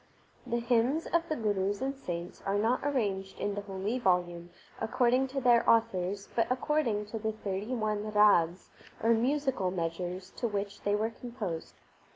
The hymns of the Gurus and saints are not arranged in the holy volume according to their authors, but according to the thirty one rags or musical measures to which they were composed.